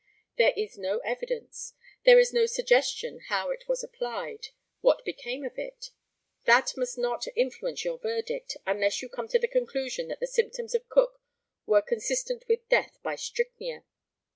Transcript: There is no evidence, there is no suggestion how it was applied, what became of it. That must not influence your verdict, unless you come to the conclusion that the symptoms of Cook were consistent with death by strychnia.